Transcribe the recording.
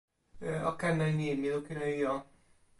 o ken e ni: mi lukin e ijo.